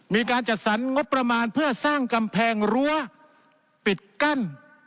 มีการจัดสรรงบประมาณเพื่อสร้างกำแพงรั้วปิดกั้น